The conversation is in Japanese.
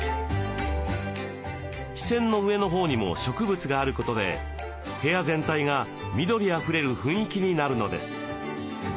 視線の上の方にも植物があることで部屋全体が緑あふれる雰囲気になるのです。